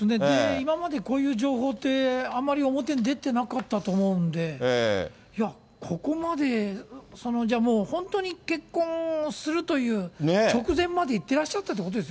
今までこういう情報ってあまり表に出てなかったと思うんで、いや、ここまで、じゃあもう、本当に結婚をするという直前までいってらっしゃったってことです